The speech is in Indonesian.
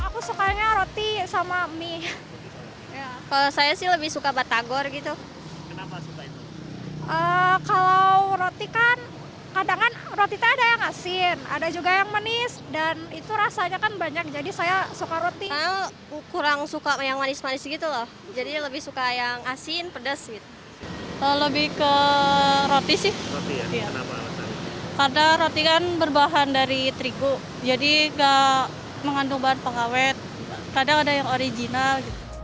karena roti kan berbahan dari terigu jadi tidak mengandung bahan pengawet kadang ada yang original